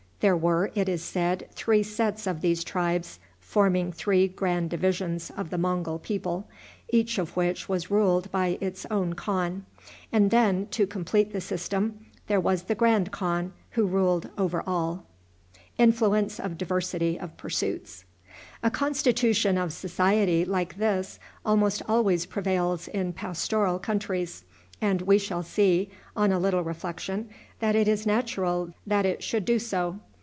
There were, it is said, three sets of these tribes, forming three grand divisions of the Mongul people, each of which was ruled by its own khan; and then, to complete the system, there was the grand khan, who ruled over all. A constitution of society like this almost always prevails in pastoral countries, and we shall see, on a little reflection, that it is natural that it should do so.